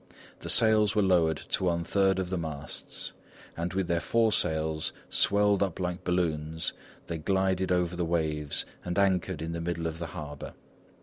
The sails were lowered to one third of the masts, and with their foresails swelled up like balloons they glided over the waves and anchored in the middle of the harbour.